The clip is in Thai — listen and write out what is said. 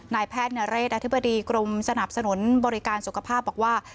นายแพทย์นเรศอธิบดีกรมสนับสนุนบริการสุขภาพบอกว่า